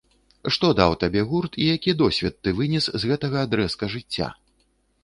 Што даў табе гурт, і які досвед ты вынес з гэтага адрэзка жыцця?